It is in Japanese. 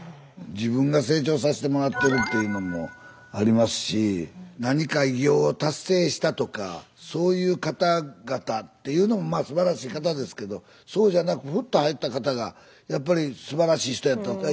自分が成長させてもらってるっていうのもありますし何か偉業を達成したとかそういう方々っていうのもまあすばらしい方ですけどそうじゃなくふっと会った方がやっぱりすばらしい人やった。